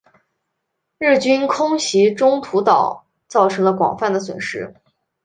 日军空袭中途岛造成了广泛的损失。